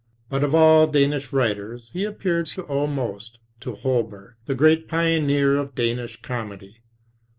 But of all Danish writers, he appears to owe most to Holberg, the great pioneer of Danish comedy.